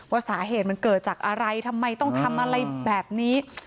ว่าสาเหตุมันเกิดจากอะไรทำไมต้องทำอะไรแบบนี้